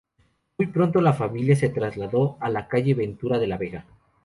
Muy pronto la familia se trasladó a la calle Ventura de la Vega.